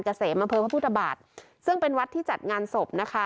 เกษมอำเภอพระพุทธบาทซึ่งเป็นวัดที่จัดงานศพนะคะ